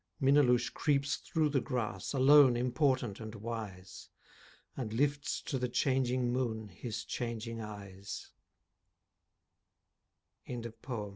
Minnaloushe creeps through the grass Alone, important and wise, And lifts to the changing moon His changing ey